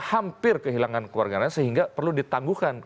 hampir kehilangan keluarga negara sehingga perlu ditangguhkan